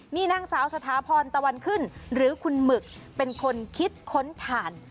มีนางสาวสถาพรตะวันขึ้นหรือคุณหมึกเป็นคนคิดค้นถ่าน